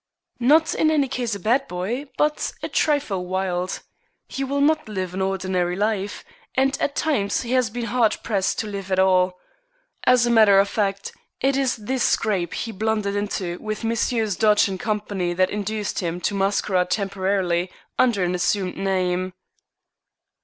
"Not in any sense a bad boy, but a trifle wild. He will not live an ordinary life, and at times he has been hard pressed to live at all. As a matter of fact, it is this scrape he blundered into with Messrs. Dodge & Co. that induced him to masquerade temporarily under an assumed name."